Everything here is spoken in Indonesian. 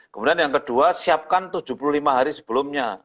kemudian yang kedua siapkan tujuh puluh lima hari sebelumnya